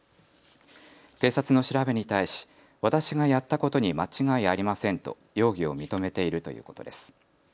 警察の調べに対し私がやったことに間違いありませんと容疑を認めているということです。